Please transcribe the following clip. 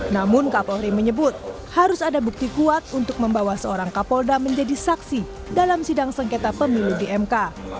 namun kapolri menyebut harus ada bukti kuat untuk membawa seorang kapolda menjadi saksi dalam sidang sengketa pemilu di mk